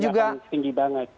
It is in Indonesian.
jadi tidak akan tinggi banget